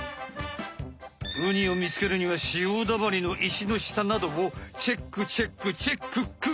ウニをみつけるには潮だまりの石の下などをチェックチェックチェックック。